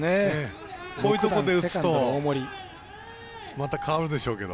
こういうとこで打つとまた変わるでしょうけど。